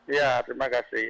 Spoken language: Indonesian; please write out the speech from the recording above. ya terima kasih